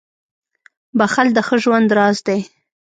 • بښل د ښه ژوند راز دی.